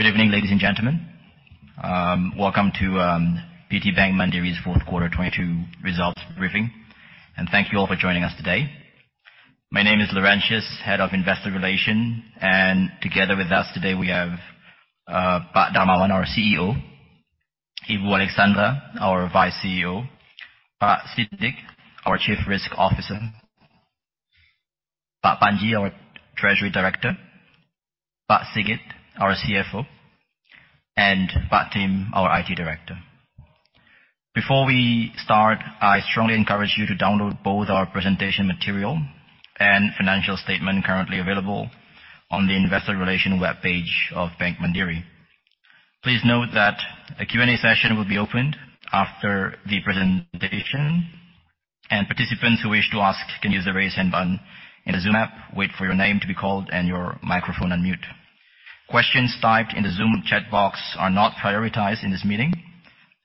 Good evening, ladies and gentlemen. Welcome to PT Bank Mandiri's fourth quarter 2022 results briefing, thank you all for joining us today. My name is Laurentius, Head of Investor Relations. Together with us today we have Pak Darmawan, our CEO, Ibu Alexandra, our Vice CEO, Pak Siddik, our Chief Risk Officer, Pak Panji, our Treasury Director, Pak Sigit, our CFO, and Pak Tim, our IT Director. Before we start, I strongly encourage you to download both our presentation material and financial statement currently available on the Investor Relations webpage of Bank Mandiri. Please note that a Q&A session will be opened after the presentation, participants who wish to ask can use the Raise Hand button in the Zoom app, wait for your name to be called and your microphone unmute. Questions typed in the Zoom chat box are not prioritized in this meeting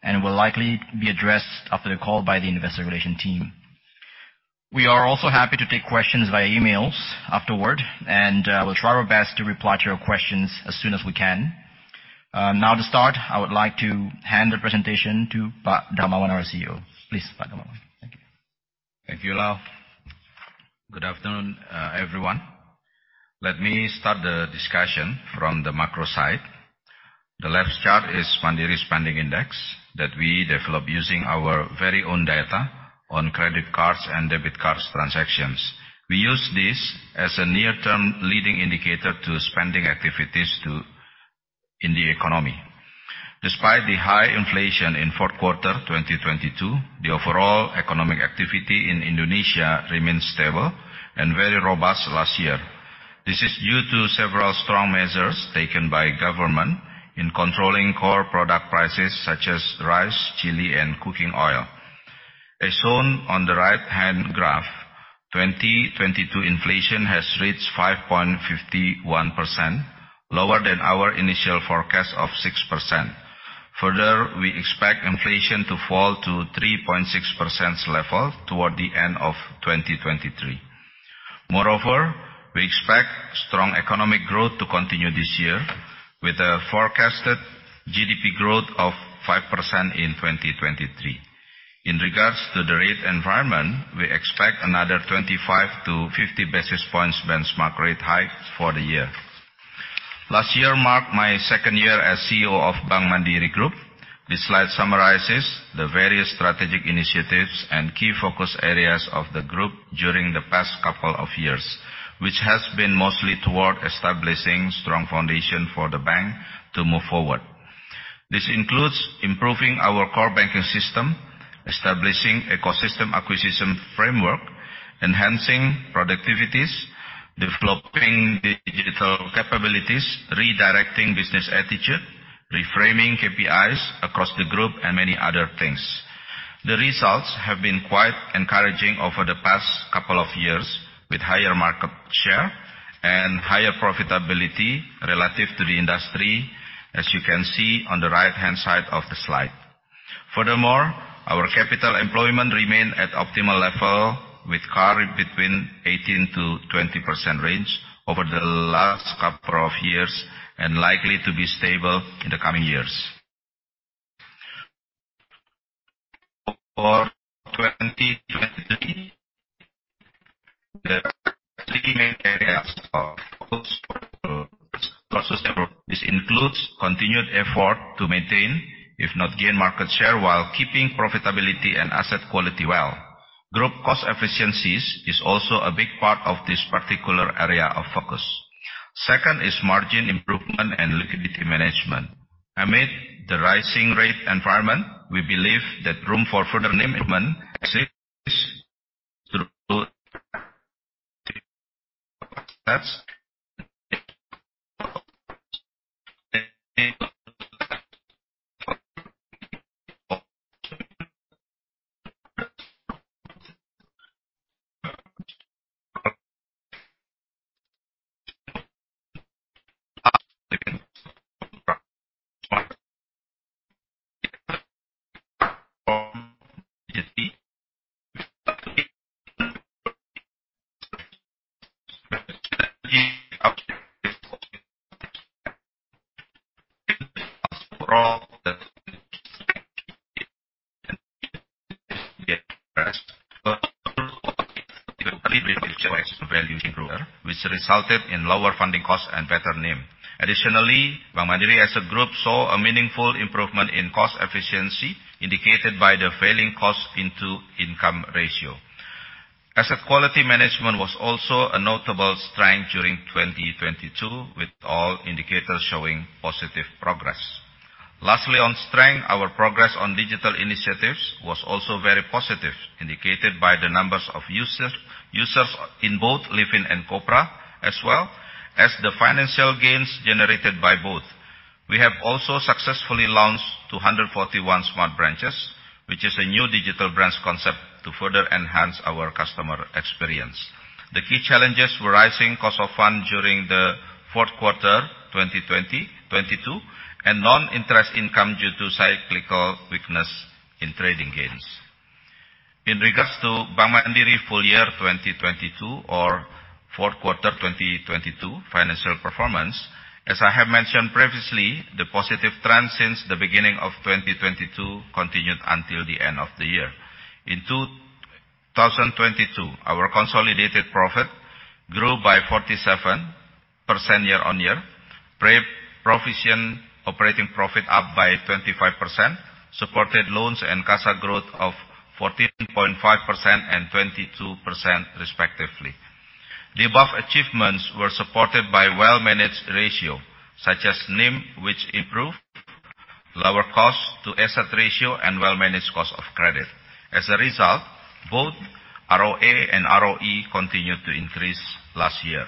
and will likely be addressed after the call by the investor relation team. We are also happy to take questions via emails afterward, and we'll try our best to reply to your questions as soon as we can. Now to start, I would like to hand the presentation to Pak Darmawan, our CEO. Please, Pak Darmawan. Thank you, Lau. Good afternoon, everyone. Let me start the discussion from the macro side. The left chart is Mandiri Spending Index that we developed using our very own data on credit cards and debit cards transactions. We use this as a near-term leading indicator to spending activities in the economy. Despite the high inflation in fourth quarter 2022, the overall economic activity in Indonesia remains stable and very robust last year. This is due to several strong measures taken by government in controlling core product prices such as rice, chili, and cooking oil. As shown on the right-hand graph, 2022 inflation has reached 5.51%, lower than our initial forecast of 6%. We expect inflation to fall to 3.6% level toward the end of 2023. Moreover, we expect strong economic growth to continue this year with a forecasted GDP growth of 5% in 2023. In regards to the rate environment, we expect another 25 to 50 basis points benchmark rate hike for the year. Last year marked my second year as CEO of Bank Mandiri Group. This slide summarizes the various strategic initiatives and key focus areas of the group during the past couple of years, which has been mostly toward establishing strong foundation for the bank to move forward. This includes improving our core banking system, establishing ecosystem acquisition framework, enhancing productivities, developing digital capabilities, redirecting business attitude, reframing KPIs across the group, and many other things. The results have been quite encouraging over the past couple of years, with higher market share and higher profitability relative to the industry, as you can see on the right-hand side of the slide. Furthermore, our capital employment remained at optimal level with CAR between 18%-20% range over the last couple of years and likely to be stable in the coming years. For 2023, the three main areas of focus for the rest of the year. This includes continued effort to maintain, if not gain market share, while keeping profitability and asset quality well. Group cost efficiencies is also a big part of this particular area of focus. Second is margin improvement and liquidity management. Amid the rising rate environment, we believe that room for further improvement exists through... steps. Overall, the... which resulted in lower funding costs and better NIM. Additionally, Bank Mandiri as a group saw a meaningful improvement in cost efficiency indicated by the failing cost-into-income ratio. Asset quality management was also a notable strength during 2022, with all indicators showing positive progress. Lastly, on strength, our progress on digital initiatives was also very positive, indicated by the numbers of users in both Livin' and Kopra, as well as the financial gains generated by both. We have also successfully launched 241 Smart Branches, which is a new digital branch concept to further enhance our customer experience. The key challenges were rising cost of funds during the fourth quarter 2022, and non-interest income due to cyclical weakness in trading gains. In regards to Bank Mandiri full year 2022 or fourth quarter 2022 financial performance, as I have mentioned previously, the positive trend since the beginning of 2022 continued until the end of the year. In 2022, our consolidated profit grew by 47% year-on-year. Pre-Provision Operating Profit up by 25%, supported loans and CASA growth of 14.5% and 22% respectively. The above achievements were supported by well-managed ratio, such as NIM, which improved lower cost to asset ratio and well-managed cost of credit. As a result, both ROA and ROE continued to increase last year.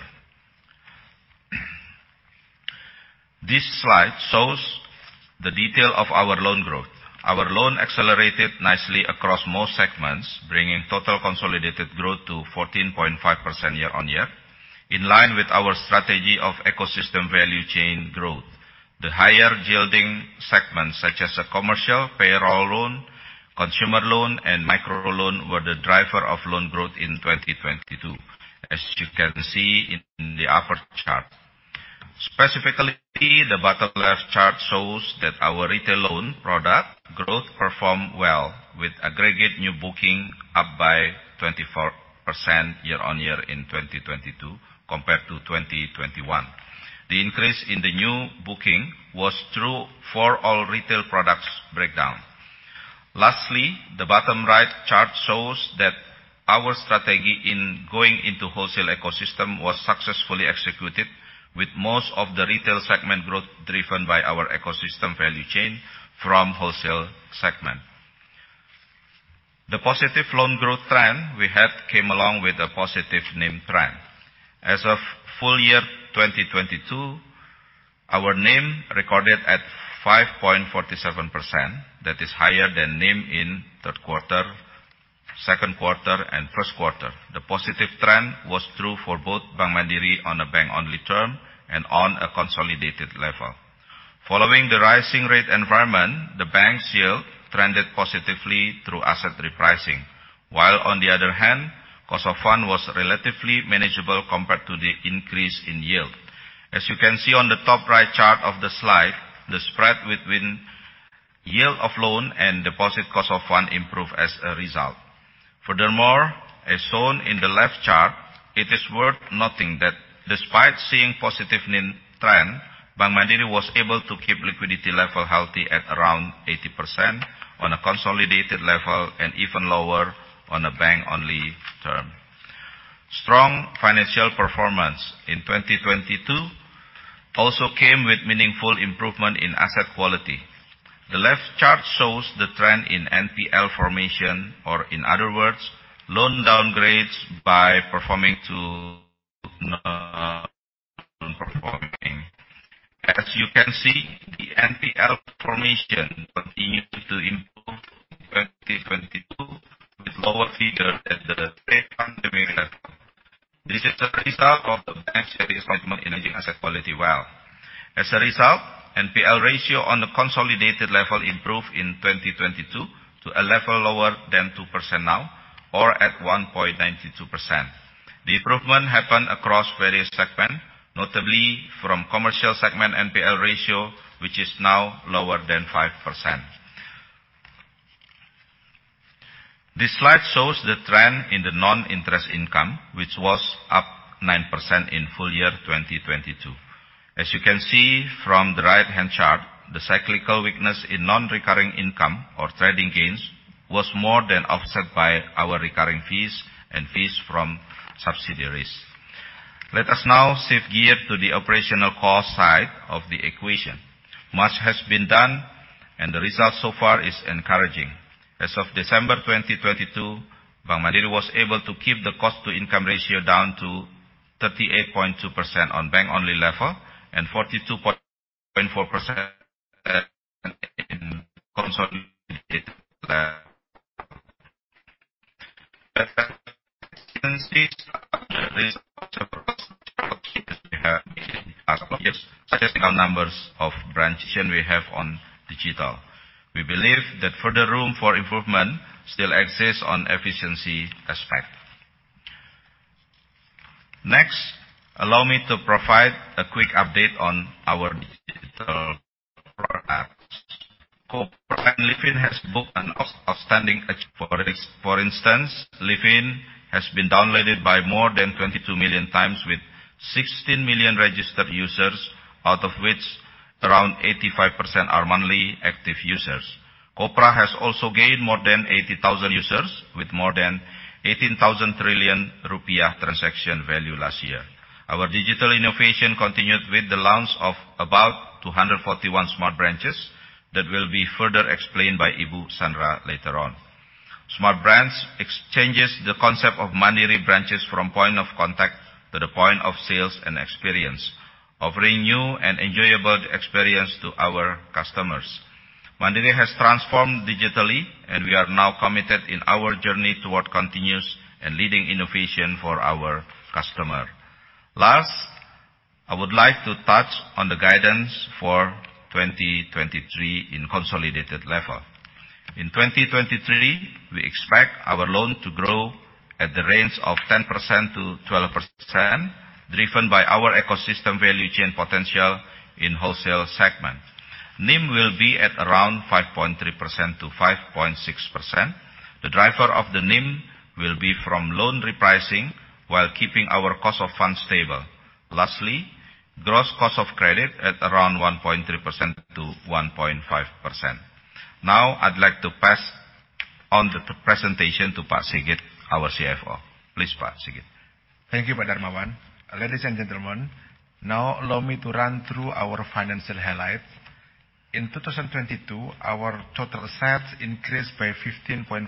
This slide shows the detail of our loan growth. Our loan accelerated nicely across most segments, bringing total consolidated growth to 14.5% year-on-year, in line with our strategy of ecosystem value chain growth. The higher yielding segments such as a commercial, payroll loan, consumer loan and microloan were the driver of loan growth in 2022, as you can see in the upper chart. Specifically, the bottom left chart shows that our retail loan product growth performed well with aggregate new booking up by 24% year-on-year in 2022 compared to 2021. The increase in the new booking was through for all retail products breakdown. The bottom right chart shows that our strategy in going into wholesale ecosystem was successfully executed with most of the retail segment growth driven by our ecosystem value chain from wholesale segment. The positive loan growth trend we had came along with a positive NIM trend. As of full year 2022, our NIM recorded at 5.47%. That is higher than NIM in third quarter, second quarter and first quarter. The positive trend was true for both Bank Mandiri on a bank-only term and on a consolidated level. Following the rising rate environment, the bank's yield trended positively through asset repricing. While on the other hand, cost of fund was relatively manageable compared to the increase in yield. As you can see on the top right chart of the slide, the spread between yield of loan and deposit cost of fund improved as a result. Furthermore, as shown in the left chart, it is worth noting that despite seeing positive NIM trend, Bank Mandiri was able to keep liquidity level healthy at around 80% on a consolidated level and even lower on a bank-only term. Strong financial performance in 2022 also came with meaningful improvement in asset quality. The left chart shows the trend in NPL formation, or in other words, loan downgrades by performing to non-performing. As you can see, the NPL formation continued to improve in 2022 with lower figure at the pre-pandemic level. This is a result of the bank's serious commitment in managing asset quality well. As a result, NPL ratio on the consolidated level improved in 2022 to a level lower than 2% now or at 1.92%. The improvement happened across various segment, notably from commercial segment NPL ratio, which is now lower than 5%. This slide shows the trend in the non-interest income, which was up 9% in full year 2022. As you can see from the right-hand chart, the cyclical weakness in non-recurring income or trading gains was more than offset by our recurring fees and fees from subsidiaries. Let us now shift gear to the operational cost side of the equation. Much has been done, and the result so far is encouraging. As of December 2022, Bank Mandiri was able to keep the cost to income ratio down to 38.2% on bank-only level and 42.4% in consolidated level. At efficiency is a result of several cost reduction we have made in the past couple of years, such as the numbers of branch and we have on digital. Allow me to provide a quick update on our digital products. Kopra and Livin' has booked an outstanding achievements. Livin' has been downloaded by more than 22 million times with 16 million registered users, out of which around 85% are monthly active users. Kopra has also gained more than 80,000 users with more than 18,000 trillion rupiah transaction value last year. Our digital innovation continued with the launch of about 241 Smart Branches that will be further explained by Ibu Alexandra later on. Smart Branch exchanges the concept of Mandiri branches from point of contact to the point of sales and experience, offering new and enjoyable experience to our customers. Mandiri has transformed digitally. We are now committed in our journey toward continuous and leading innovation for our customer. Last, I would like to touch on the guidance for 2023 in consolidated level. In 2023, we expect our loan to grow at the range of 10%-12%, driven by our ecosystem value chain potential in wholesale segment. NIM will be at around 5.3%-5.6%. The driver of the NIM will be from loan repricing while keeping our cost of funds stable. Lastly, gross cost of credit at around 1.3%-1.5%. Now I'd like to pass on the presentation to Pak Sigit, our CFO. Please, Pak Sigit. Thank you, Pak Darmawan. Ladies and gentlemen, now allow me to run through our financial highlights. In 2022, our total assets increased by 15.5%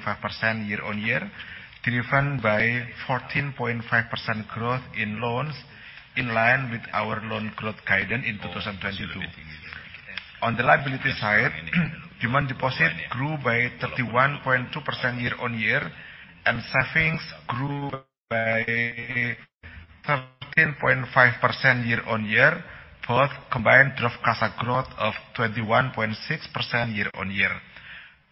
year-on-year, driven by 14.5% growth in loans, in line with our loan growth guidance in 2022. On the liability side, demand deposit grew by 31.2% year-on-year, and savings grew by 13.5% year-on-year, both combined drove CASA growth of 21.6% year-on-year.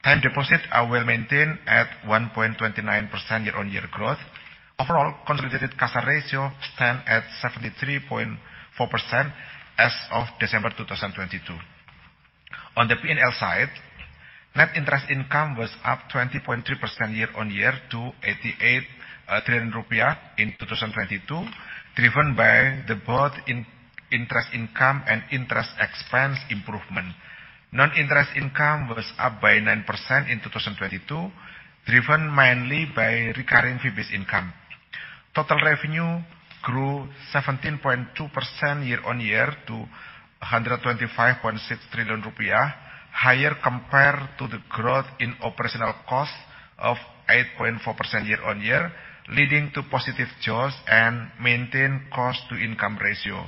Time deposit are well-maintained at 1.29% year-on-year growth. Overall, consolidated CASA ratio stand at 73.4% as of December 2022. On the P&L side, net interest income was up 20.3% year-on-year to 88 trillion rupiah in 2022, driven by the both in-interest income and interest expense improvement. Non-interest income was up by 9% in 2022, driven mainly by recurring fees income. Total revenue grew 17.2% year-on-year to 125.6 trillion rupiah, higher compared to the growth in operational costs of 8.4% year-on-year, leading to positive choice and maintain cost-to-income ratio.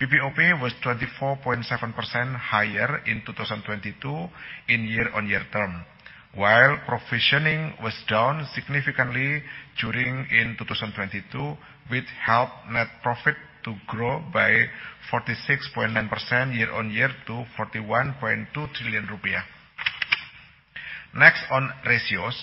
PPOP was 24.7% higher in 2022 in year-on-year term, while provisioning was down significantly during in 2022, which helped net profit to grow by 46.9% year-on-year to IDR 41.2 trillion. Next, on ratios.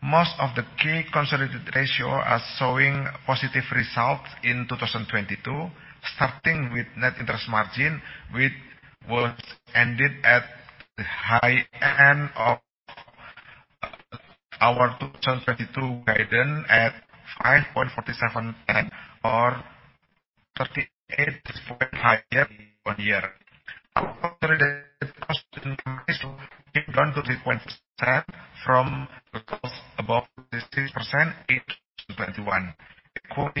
Most of the key consolidated ratio are showing positive results in 2022, starting with net interest margin, which was ended at the high end of our 2022 guidance at 5.47% or 38 point higher year-on-year. Our consolidated cost-to-income ratio came down to 3.0% from close above 6% in 2021. Cost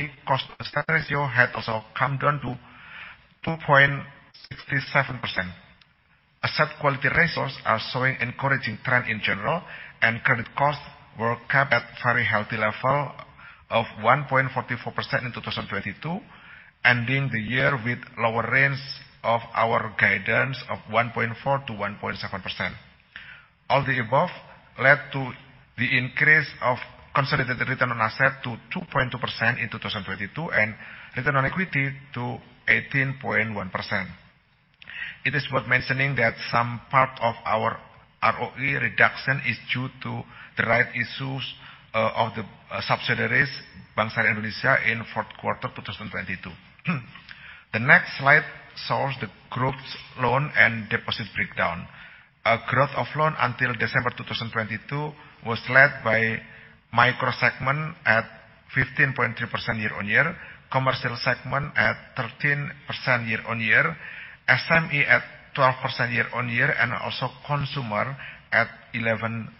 to asset ratio had also come down to 2.67%. Asset quality ratios are showing encouraging trend in general and credit costs were kept at very healthy level of 1.44% in 2022, ending the year with lower range of our guidance of 1.4%-1.7%. All the above led to the increase of consolidated return on asset to 2.2% in 2022, and return on equity to 18.1%. It is worth mentioning that some part of our ROE reduction is due to the right issues of the subsidiaries Bank Syariah Indonesia in fourth quarter 2022. The next slide shows the group's loan and deposit breakdown. A growth of loan until December 2022 was led by micro segment at 15.3% year-on-year, commercial segment at 13% year-on-year, SME at 12% year-on-year, and also consumer at 11.6%.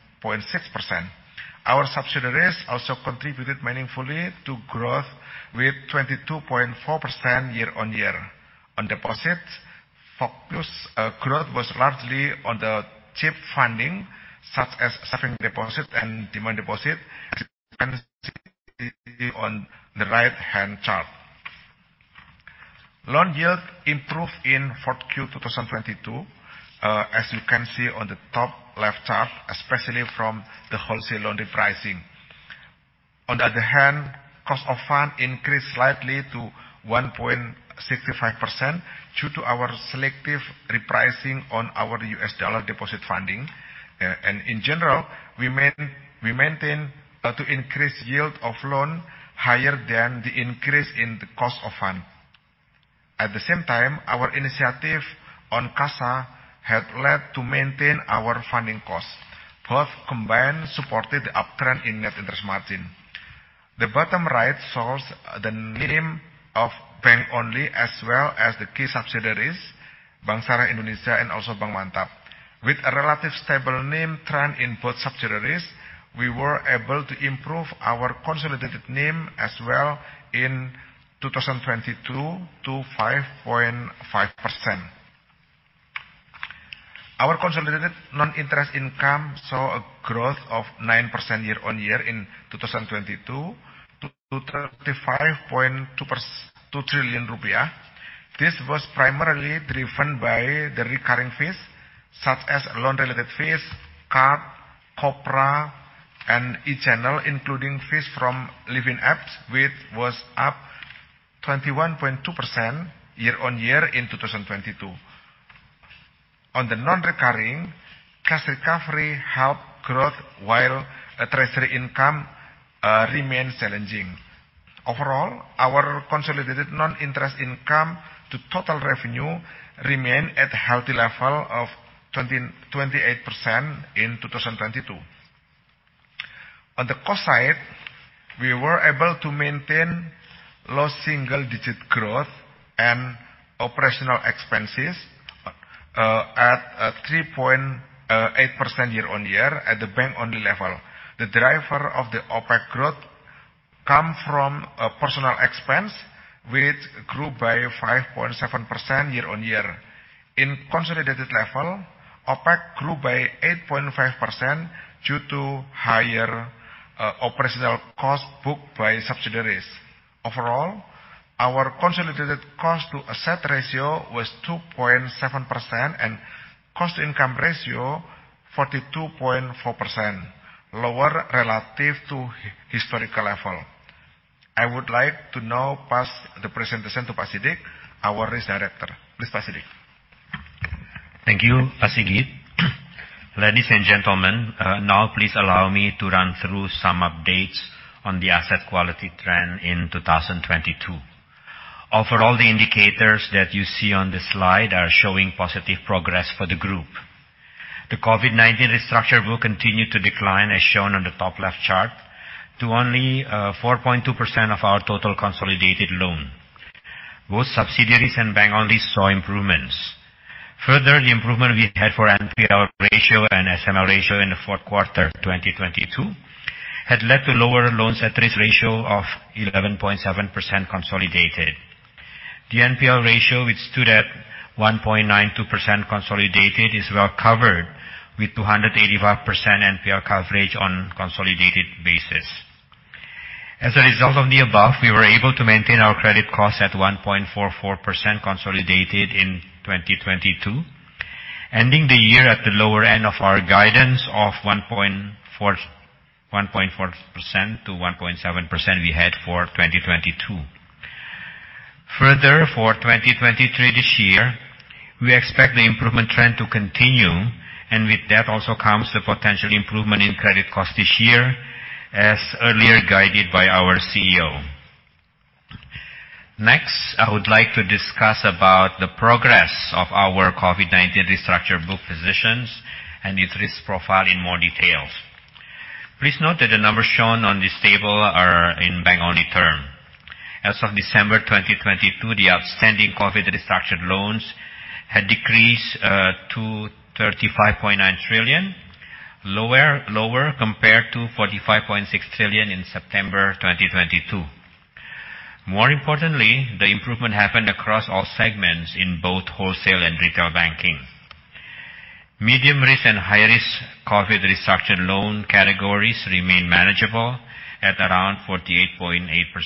Our subsidiaries also contributed meaningfully to growth with 22.4% year-on-year. On deposit, focus, growth was largely on the cheap funding, such as savings deposit and demand deposit as you can see on the right-hand chart. Loan yield improved in 4Q 2022, as you can see on the top left chart, especially from the wholesale loan repricing. On the other hand, cost of fund increased slightly to 1.65% due to our selective repricing on our U.S. dollar deposit funding. In general, we maintain to increase yield of loan higher than the increase in the cost of fund. At the same time, our initiative on CASA had led to maintain our funding costs. Both combined supported the uptrend in net interest margin. The bottom right shows the NIM of bank only as well as the key subsidiaries, Bank Syariah Indonesia and also Bank Mantap. With a relative stable NIM trend in both subsidiaries, we were able to improve our consolidated NIM as well in 2022 to 5.5%. Our consolidated non-interest income saw a growth of 9% year-on-year in 2022 to 35.2 trillion rupiah. This was primarily driven by the recurring fees such as loan related fees, card, Kopra, and e-channel, including fees from Livin' apps, which was up 21.2% year-on-year in 2022. On the non-recurring, cash recovery helped growth, while treasury income remained challenging. Overall, our consolidated non-interest income to total revenue remained at healthy level of 28% in 2022. On the cost side, we were able to maintain low single-digit growth and operational expenses at 3.8% year-on-year at the bank only level. The driver of the OpEx growth come from personal expense, which grew by 5.7% year-on-year. In consolidated level, OpEx grew by 8.5% due to higher operational costs booked by subsidiaries. Overall, our consolidated cost to asset ratio was 2.7%, and cost-to-income ratio 42.4%, lower relative to historical level. I would like to now pass the presentation to Pak Siddik, our Risk Director. Please, Pak Siddik. Thank you, Pak Sigit. Ladies and gentlemen, now please allow me to run through some updates on the asset quality trend in 2022. Overall, the indicators that you see on this slide are showing positive progress for the group. The COVID-19 restructuring will continue to decline, as shown on the top left chart, to only 4.2% of our total consolidated loan. Both subsidiaries and bank-only saw improvements. The improvement we had for NPR ratio and SMR ratio in the fourth quarter 2022 had led to lower loans at risk ratio of 11.7% consolidated. The NPL ratio, which stood at 1.92% consolidated, is well covered with 285% NPL coverage on consolidated basis. As a result of the above, we were able to maintain our credit cost at 1.44% consolidated in 2022, ending the year at the lower end of our guidance of 1.4%-1.7% we had for 2022. For 2023 this year, we expect the improvement trend to continue, and with that also comes the potential improvement in credit cost this year, as earlier guided by our CEO. I would like to discuss about the progress of our COVID-19 restructure book positions and its risk profile in more details. Please note that the numbers shown on this table are in bank-only term. As of December 2022, the outstanding COVID restructured loans had decreased to 35.9 trillion, lower compared to 45.6 trillion in September 2022. More importantly, the improvement happened across all segments in both wholesale and retail banking. Medium risk and high-risk COVID restructured loan categories remain manageable at around 48.8%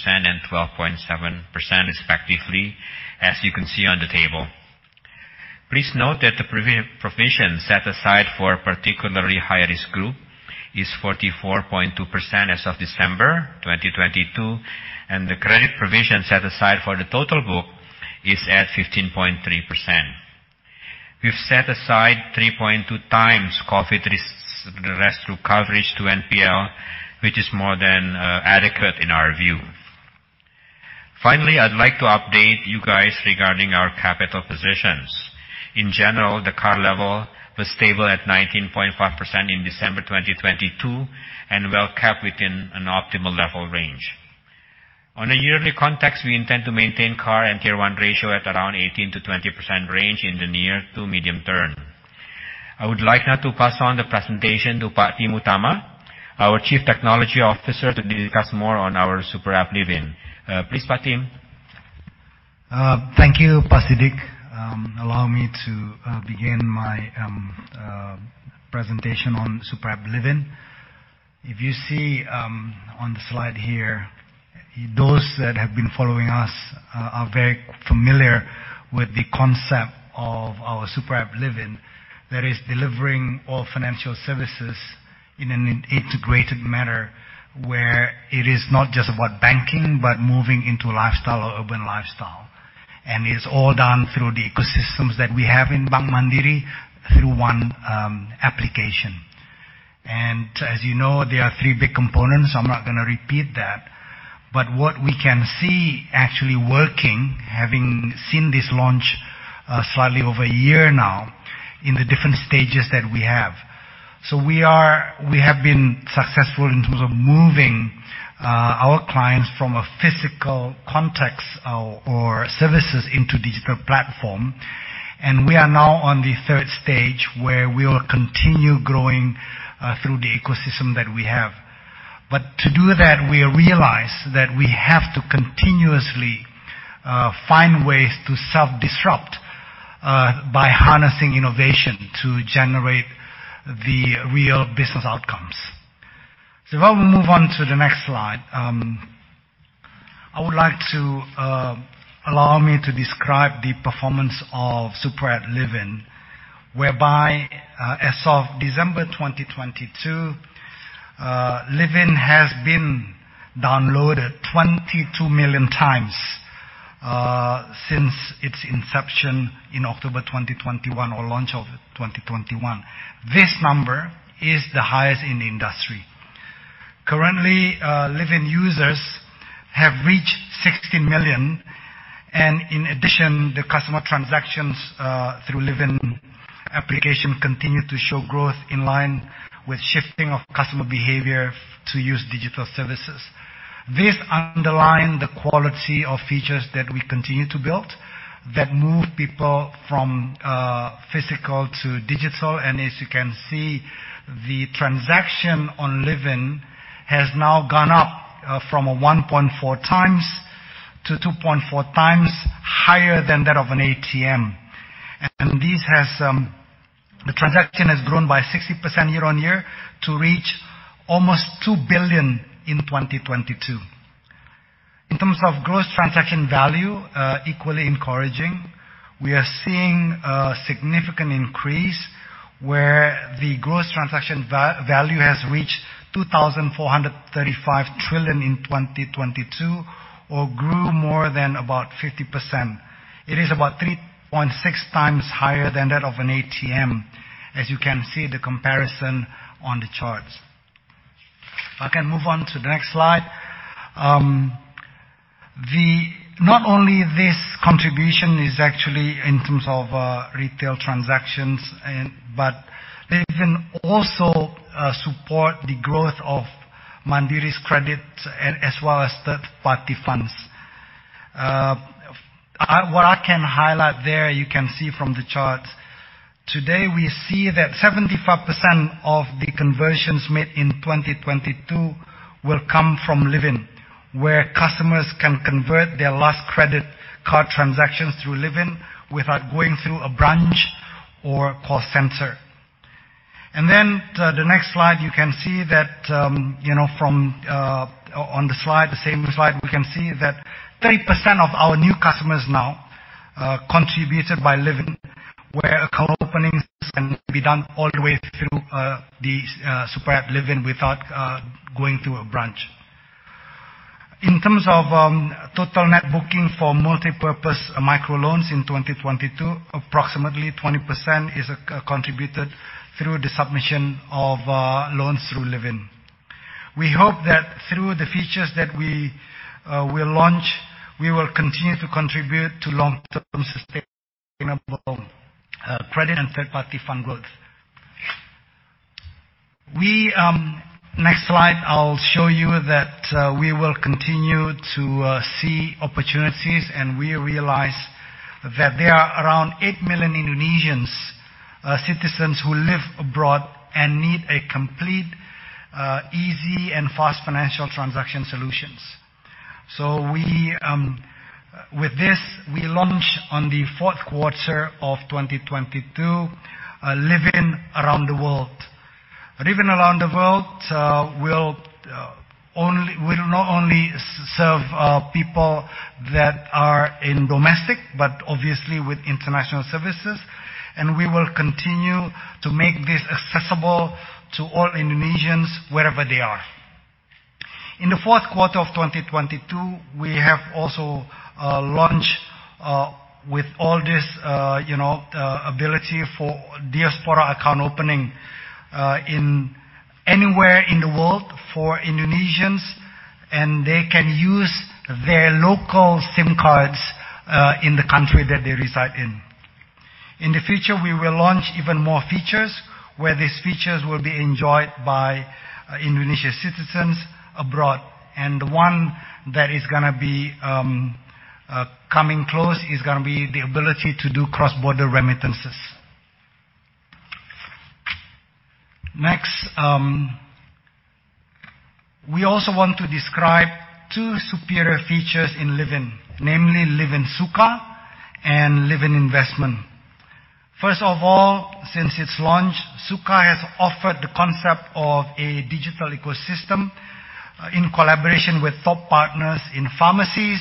and 12.7% respectively, as you can see on the table. Please note that the provision set aside for a particularly high-risk group is 44.2% as of December 2022, and the credit provision set aside for the total book is at 15.3%. We've set aside 3.2x COVID risk rescue coverage to NPL, which is more than adequate in our view. I'd like to update you guys regarding our capital positions. In general, the CAR level was stable at 19.5% in December 2022, and well kept within an optimal level range. On a yearly context, we intend to maintain CAR and Tier 1 ratio at around 18%-20% range in the near to medium term. I would like now to pass on the presentation to Pak Tim Utama, our Chief Technology Officer, to discuss more on our Super App Livin'. Please, Pak Tim. Thank you, Pak Siddik. Allow me to begin my presentation on Livin' by Mandiri. If you see on the slide here, those that have been following us are very familiar with the concept of our Livin' by Mandiri, that is delivering all financial services in an integrated manner, where it is not just about banking, but moving into lifestyle or urban lifestyle. It's all done through the ecosystems that we have in Bank Mandiri through one application. As you know, there are three big components. I'm not gonna repeat that. What we can see actually working, having seen this launch, slightly over a year now in the different stages that we have. We have been successful in terms of moving our clients from a physical context or services into digital platform. We are now on the third stage, where we will continue growing through the ecosystem that we have. To do that, we realize that we have to continuously find ways to self-disrupt by harnessing innovation to generate the real business outcomes. Why don't we move on to the next slide? I would like to allow me to describe the performance of Livin' by Mandiri, whereby, as of December 2022, Livin' has been downloaded 22 million times since its inception in October 2021 or launch of 2021. This number is the highest in the industry. Currently, Livin' users have reached 60 million, in addition, the customer transactions through Livin' application continue to show growth in line with shifting of customer behavior to use digital services. This underline the quality of features that we continue to build that move people from physical to digital. As you can see, the transaction on Livin' has now gone up from a 1.4x to 2.4x higher than that of an ATM. This has, the transaction has grown by 60% year-on-year to reach almost 2 billion in 2022. In terms of gross transaction value, equally encouraging, we are seeing a significant increase where the gross transaction value has reached 2,435 trillion in 2022 or grew more than about 50%. It is about 3.6 times higher than that of an ATM, as you can see the comparison on the charts. If I can move on to the next slide. Not only this contribution is actually in terms of retail transactions, but they even also support the growth of Mandiri's credit as well as third-party funds. What I can highlight there, you can see from the charts. Today, we see that 75% of the conversions made in 2022 will come from Livin', where customers can convert their last credit card transactions through Livin' without going through a branch or call center. Then to the next slide, you can see that, you know, from on the slide, the same slide, we can see that 30% of our new customers now contributed by Livin', where account openings can be done all the way through Livin' by Mandiri without going through a branch. In terms of total net booking for multipurpose micro loans in 2022, approximately 20% is contributed through the submission of loans through Livin'. We hope that through the features that we will launch, we will continue to contribute to long-term sustainable credit and third-party fund growth. We. Next slide, I'll show you that we will continue to see opportunities. We realize that there are around eight million Indonesian citizens who live abroad and need a complete, easy and fast financial transaction solutions. We, with this, we launch on the fourth quarter of 2022 Livin' Around the World. Livin' Around the World will not only serve people that are in domestic, obviously with international services. We will continue to make this accessible to all Indonesians wherever they are. In the fourth quarter of 2022, we have also launched, you know, ability for diaspora account opening in anywhere in the world for Indonesians, and they can use their local SIM cards in the country that they reside in. In the future, we will launch even more features where these features will be enjoyed by Indonesia citizens abroad. The one that is gonna be coming close is gonna be the ability to do cross-border remittances. Next, we also want to describe two superior features in Livin', namely Livin' Sukha and Livin' Investment. First of all, since its launch, Sukha has offered the concept of a digital ecosystem, in collaboration with top partners in pharmacies,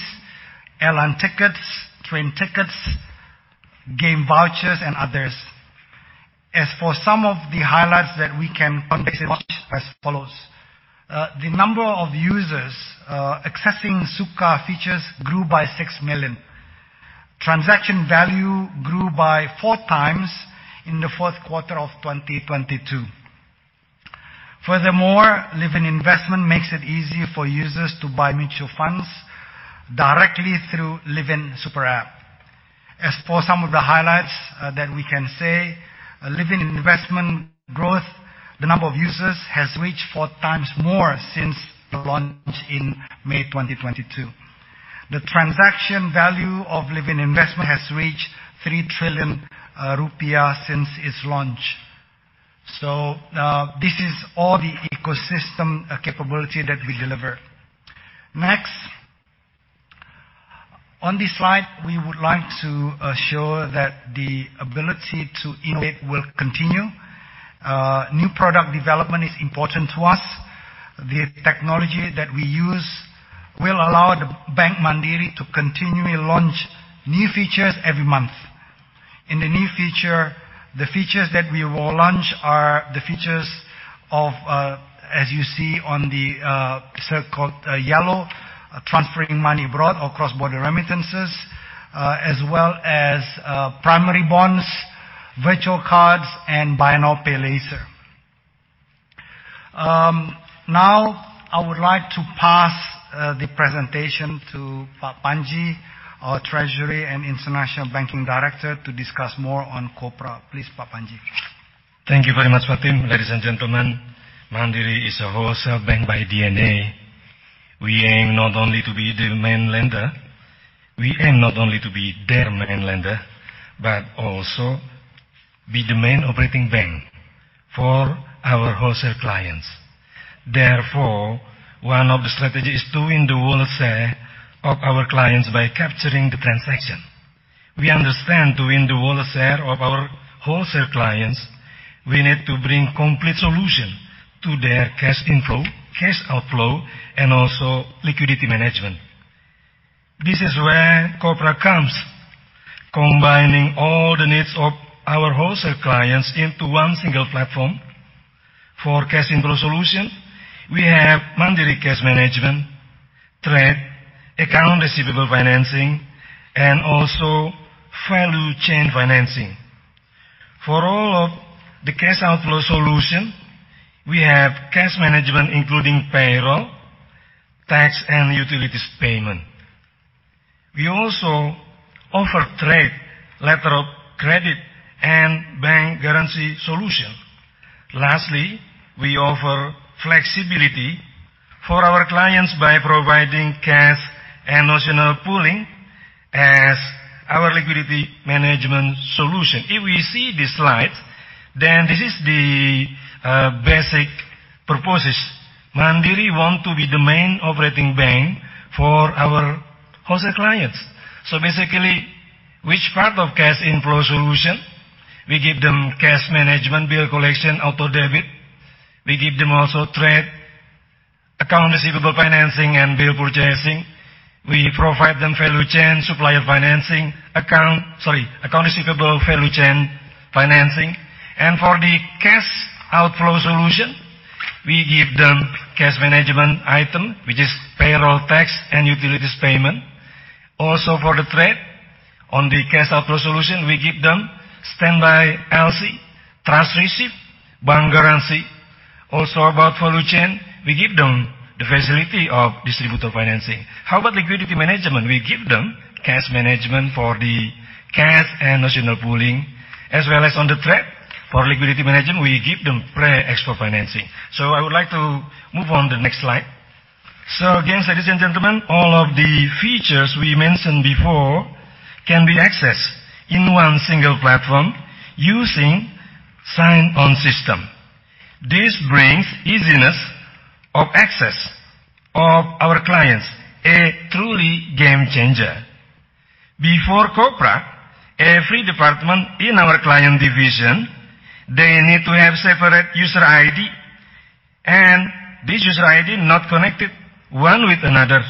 airline tickets, train tickets, game vouchers, and others. As for some of the highlights that as follows. The number of users accessing Sukha features grew by six million. Transaction value grew by 4x in the fourth quarter of 2022. Furthermore, Livin' Investment makes it easy for users to buy mutual funds directly through Livin' Super App. As for some of the highlights, that we can say, Livin' Investment growth, the number of users has reached 4x more since the launch in May 2022. The transaction value of Livin' Investment has reached 3 trillion rupiah since its launch. This is all the ecosystem capability that we deliver. Next. On this slide, we would like to show that the ability to innovate will continue. New product development is important to us. The technology that we use will allow Bank Mandiri to continually launch new features every month. In the new feature, the features that we will launch are the features of, as you see on the circle, yellow, transferring money abroad or cross-border remittances, as well as primary bonds, virtual cards, and buy now, pay later. Now I would like to pass the presentation to Pak Panji, our Treasury and International Banking Director, to discuss more on Kopra. Please, Pak Panji. Thank you very much, Pak Tim. Ladies and gentlemen, Mandiri is a wholesale bank by DNA. We aim not only to be their main lender, but also be the main operating bank for our wholesale clients. One of the strategies is to win the wallet share of our clients by capturing the transaction. We understand to win the wallet share of our wholesale clients, we need to bring complete solution to their cash inflow, cash outflow, and also liquidity management. This is where Kopra comes, combining all the needs of our wholesale clients into one single platform. For cash inflow solution, we have Mandiri Cash Management, trade, account receivable financing, and also value chain financing. For all of the cash outflow solution, we have cash management, including payroll, tax, and utilities payment. We also offer trade, letter of credit, and bank guarantee solution. Lastly, we offer flexibility for our clients by providing cash and notional pooling as our liquidity management solution. This is the basic purposes. Mandiri want to be the main operating bank for our wholesale clients. Which part of cash inflow solution, we give them cash management, bill collection, auto debit. We give them also trade, account receivable financing, and bill purchasing. We provide them value chain, supplier financing, account receivable, value chain financing. For the cash outflow solution, we give them cash management item, which is payroll, tax, and utilities payment. For the trade, on the cash outflow solution, we give them standby LC, trust receipt, bank guarantee. About value chain, we give them the facility of distributor financing. How about liquidity management? We give them cash management for the cash and notional pooling, as well as on the trade. For liquidity management, we give them pre-export financing. I would like to move on to the next slide. Again, ladies and gentlemen, all of the features we mentioned before can be accessed in one single platform using sign-on system. This brings easiness of access of our clients, a truly game-changer. Before Kopra, every department in our client division, they need to have separate user ID, and this user ID not connected one with another.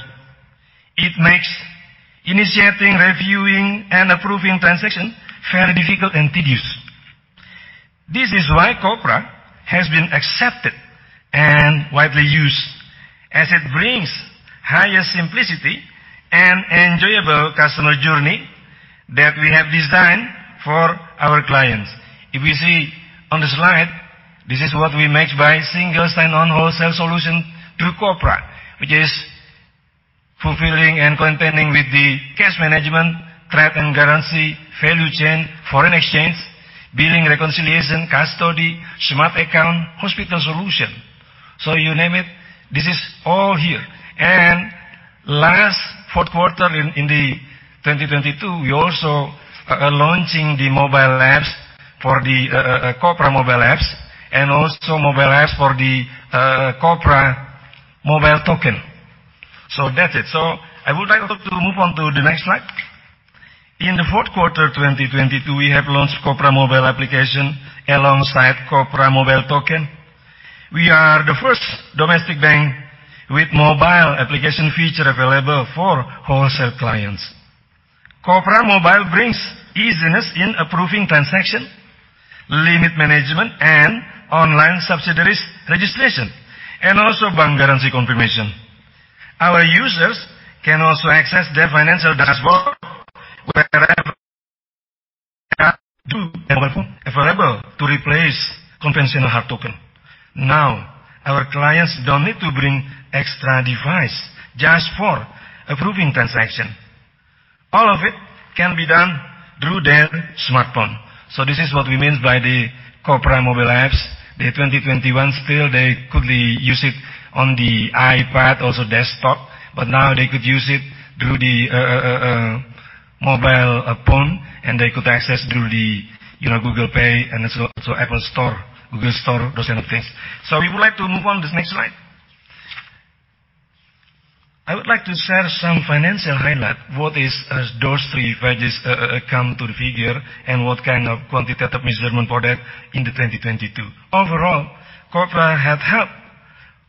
It makes initiating, reviewing, and approving transaction very difficult and tedious. This is why Kopra has been accepted and widely used, as it brings higher simplicity and enjoyable customer journey that we have designed for our clients. If we see on the slide, this is what we made by single sign-on wholesale solution through Kopra, which is fulfilling and containing with the cash management, trade and guarantee, value chain, foreign exchange, billing reconciliation, custody, smart account, hospital solution. You name it, this is all here. Last fourth quarter in 2022, we also launching the mobile apps for the Kopra mobile apps and also mobile apps for the Kopra mobile token. That's it. I would like to move on to the next slide. In the fourth quarter 2022, we have launched Kopra mobile application alongside Kopra mobile token. We are the first domestic bank with mobile application feature available for wholesale clients. Kopra Mobile brings easiness in approving transaction, limit management, and online subsidiaries registration, and also bank guarantee confirmation. Our users can also access their financial dashboard. Available to replace conventional hard token. Now, our clients don't need to bring extra device just for approving transaction. All of it can be done through their smartphone. This is what we mean by the Kopra Mobile apps. The 2021, still they could use it on the iPad, also desktop, but now they could use it through the mobile phone, and they could access through the, you know, Google Pay and also Apple Store, Google Play Store, those kind of things. We would like to move on to the next slide. I would like to share some financial highlight what is those three values come to the figure and what kind of quantitative measurement for that in the 2022. Overall, Kopra had helped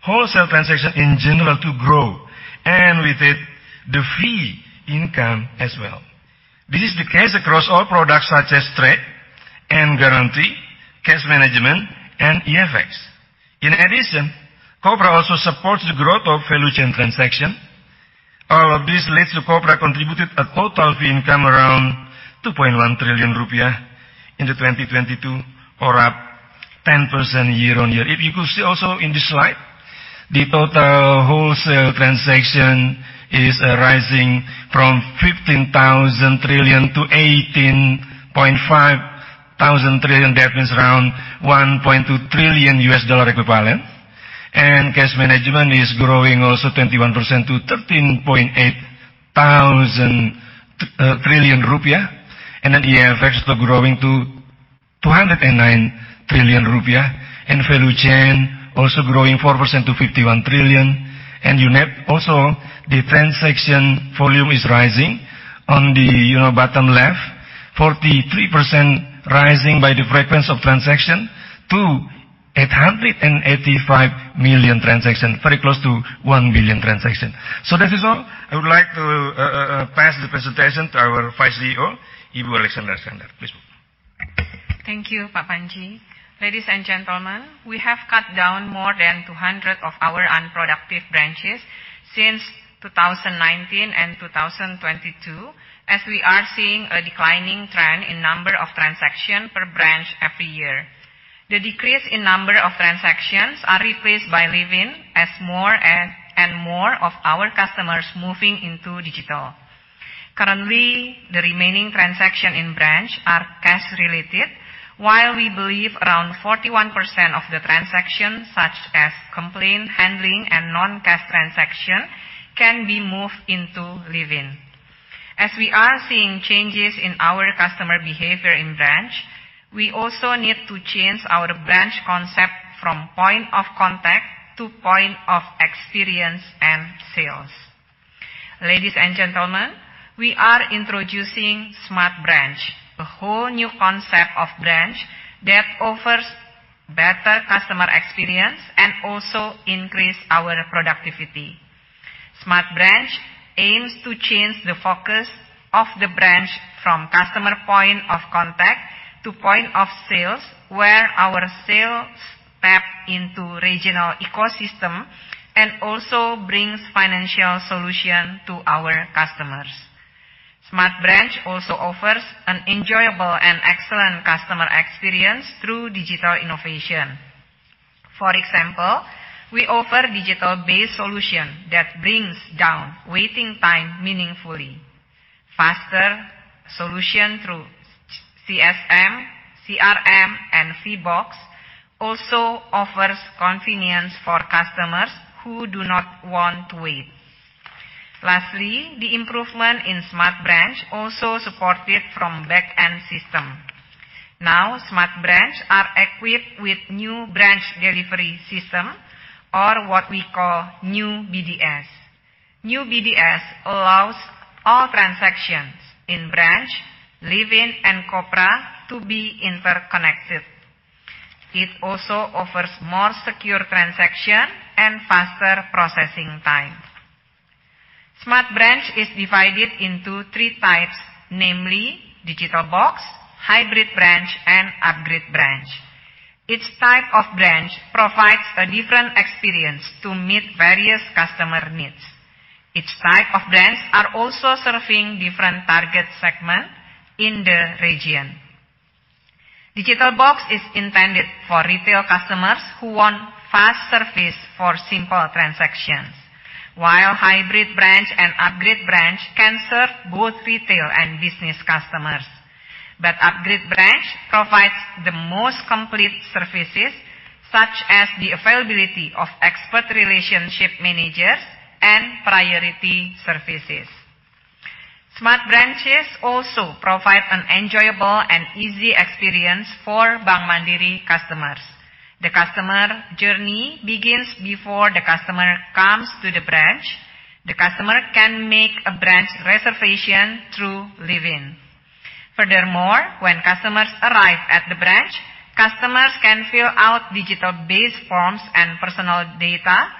wholesale transaction in general to grow. With it, the fee income as well. This is the case across all products such as trade and guarantee, cash management, and eFX. In addition, Kopra also supports the growth of value chain transaction. All of this leads to Kopra contributed a total fee income around 2.1 trillion rupiah in 2022 or up 10% year-on-year. If you could see also in this slide, the total wholesale transaction is rising from 15,000 trillion to 18,500 trillion. That means around $1.2 trillion equivalent. Cash management is growing also 21% to 13,800 trillion rupiah. eFX still growing to 209 trillion rupiah. Value chain also growing 4% to 51 trillion. You note also the transaction volume is rising. On the, you know, bottom left, 43% rising by the frequency of transaction to 885 million transaction, very close to 1 billion transaction. That is all. I would like to pass the presentation to our Vice CEO, Ibu Alexandra. Please. Thank you, Pak Panji. Ladies and gentlemen, we have cut down more than 200 of our unproductive branches since 2019 and 2022, as we are seeing a declining trend in number of transaction per branch every year. The decrease in number of transactions are replaced by Livin as more and more of our customers moving into digital. Currently, the remaining transaction in branch are cash related, while we believe around 41% of the transactions, such as complaint handling and non-cash transaction, can be moved into Livin. As we are seeing changes in our customer behavior in branch, we also need to change our branch concept from point of contact to point of experience and sales. Ladies and gentlemen, we are introducing Smart Branch, a whole new concept of branch that offers better customer experience and also increase our productivity. Smart Branch aims to change the focus of the branch from customer point of contact to point of sales, where our sales tap into regional ecosystem and also brings financial solution to our customers. Smart Branch also offers an enjoyable and excellent customer experience through digital innovation. For example, we offer digital-based solution that brings down waiting time meaningfully. Faster solution through CSM, CRM, and CBox also offers convenience for customers who do not want to wait. Lastly, the improvement in Smart Branch also supported from back-end system. Now, Smart Branch are equipped with new Branch Delivery System or what we call new BDS. New BDS allows all transactions in branch, Livin', and Kopra to be interconnected. It also offers more secure transaction and faster processing time. Smart Branch is divided into three types, namely Digital Box, Hybrid Branch, and Upgrade Branch. Each type of branch provides a different experience to meet various customer needs. Each type of branch are also serving different target segment in the region. Digital Box is intended for retail customers who want fast service for simple transactions, while Hybrid Branch and Upgrade Branch can serve both retail and business customers. Upgrade Branch provides the most complete services, such as the availability of expert relationship managers and priority services. Smart Branches also provide an enjoyable and easy experience for Bank Mandiri customers. The customer journey begins before the customer comes to the branch. The customer can make a branch reservation through Livin'. When customers arrive at the branch, customers can fill out digital-based forms and personal data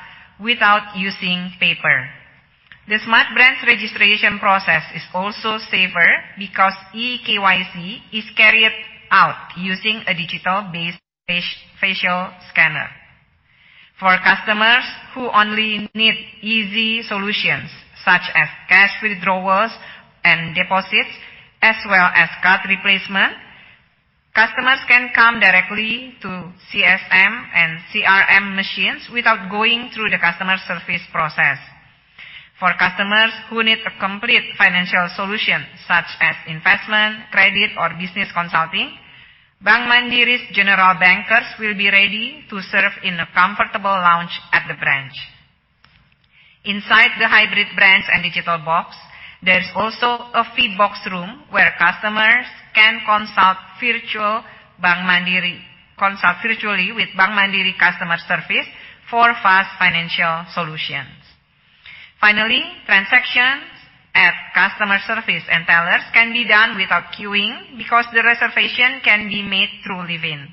without using paper. The Smart Branch registration process is also safer because eKYC is carried out using a digital-based facial scanner. For customers who only need easy solutions, such as cash withdrawals and deposits, as well as card replacement, customers can come directly to CSM and CRM machines without going through the customer service process. For customers who need a complete financial solution, such as investment, credit, or business consulting, Bank Mandiri's general bankers will be ready to serve in a comfortable lounge at the branch. Inside the Hybrid Branch and Digital Box, there's also a VBox room where customers can consult virtually with Bank Mandiri customer service for fast financial solutions. Finally, transactions at customer service and tellers can be done without queuing because the reservation can be made through Livin'.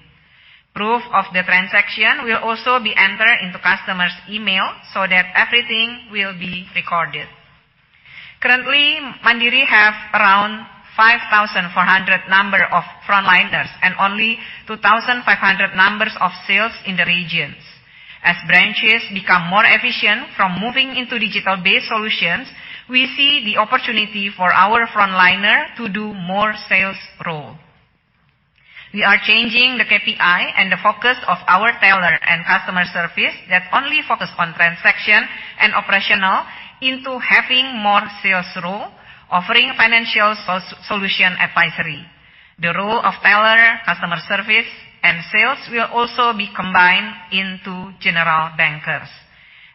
Proof of the transaction will also be entered into customer's email so that everything will be recorded. Currently, Mandiri have around 5,400 number of frontliners and only 2,500 numbers of sales in the regions. As branches become more efficient from moving into digital-based solutions, we see the opportunity for our frontliner to do more sales role. We are changing the KPI and the focus of our teller and customer service that only focus on transaction and operational into having more sales role, offering financial solution advisory. The role of teller, customer service, and sales will also be combined into general bankers.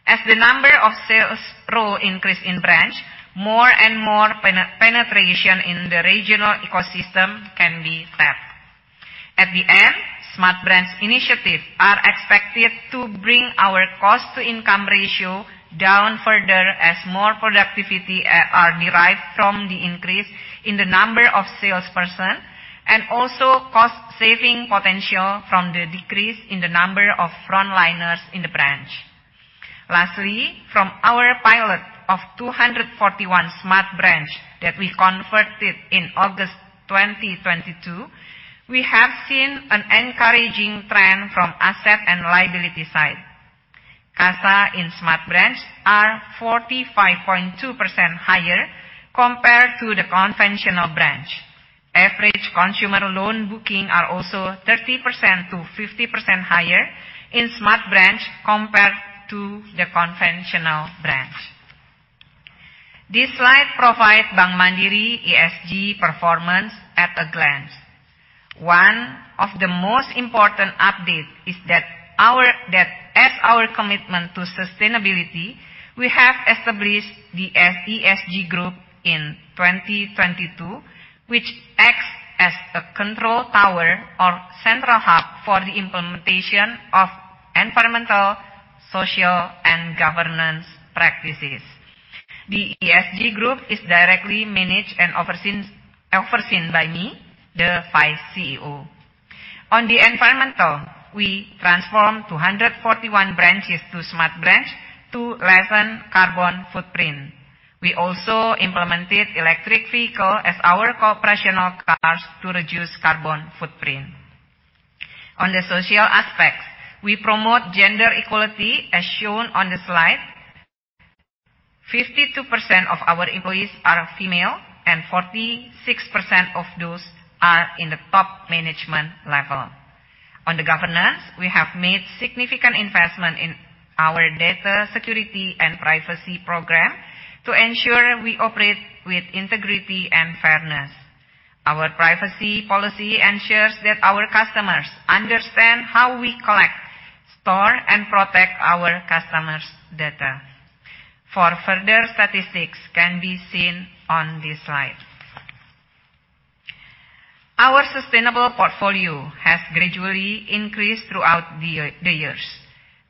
As the number of sales role increase in branch, more and more penetration in the regional ecosystem can be tapped. At the end, Smart Branch initiatives are expected to bring our cost-to-income ratio down further as more productivity are derived from the increase in the number of salesperson and also cost saving potential from the decrease in the number of frontliners in the branch. From our pilot of 241 Smart Branch that we converted in August 2022, we have seen an encouraging trend from asset and liability side. CASA in Smart Branch are 45.2% higher compared to the conventional branch. Average consumer loan booking are also 30%-50% higher in Smart Branch compared to the conventional branch. This slide provide Bank Mandiri ESG performance at a glance. One of the most important update is that our... As our commitment to sustainability, we have established the ESG group in 2022, which acts as a control tower or central hub for the implementation of environmental, social, and governance practices. The ESG group is directly managed and overseen by me, the Vice CEO. On the environmental, we transformed 241 branches to Smart Branch to lessen carbon footprint. We also implemented electric vehicle as our operational cars to reduce carbon footprint. On the social aspects, we promote gender equality as shown on the slide. 52% of our employees are female, and 46% of those are in the top management level. On the governance, we have made significant investment in our data security and privacy program to ensure we operate with integrity and fairness. Our privacy policy ensures that our customers understand how we collect, store, and protect our customers' data. For further statistics can be seen on this slide. Our sustainable portfolio has gradually increased throughout the years.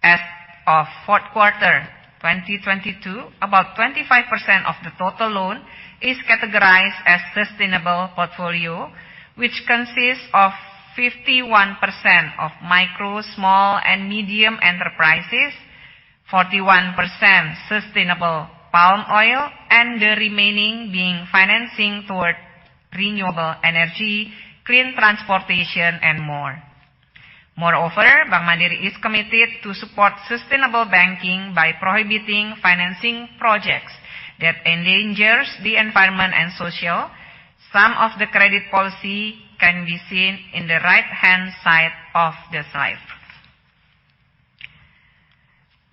As of fourth quarter 2022, about 25% of the total loan is categorized as sustainable portfolio, which consists of 51% of micro, small, and medium enterprises, 41% sustainable palm oil, and the remaining being financing toward renewable energy, clean transportation, and more. Moreover, Bank Mandiri is committed to support sustainable banking by prohibiting financing projects that endangers the environment and social. Some of the credit policy can be seen in the right-hand side of the slide.